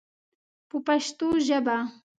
په پښتو ژبه.